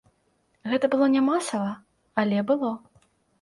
Гэта было не масава, але было.